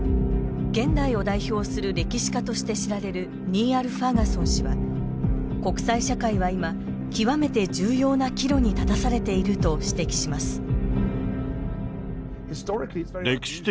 現代を代表する歴史家として知られるニーアル・ファーガソン氏は国際社会は今極めて重要な岐路に立たされていると指摘します。